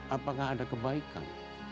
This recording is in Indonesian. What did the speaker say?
apakah ada kebaikan